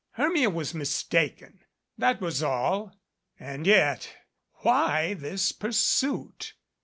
Hermia was mistaken that was all. And yet why this pursuit?